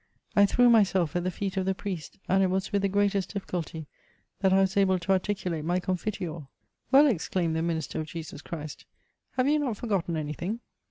I threw myself at the feet of the priest, and it was with the greatest difficidty that I was able to articulate my confiteor, '*Well," exclaimed the minister of Jesus Christ, '*have you not forgotten anything?"